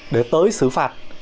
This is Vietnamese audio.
để tới xử phạt